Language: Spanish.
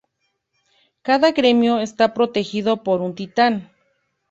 Cada gremio está protegido por un Titán.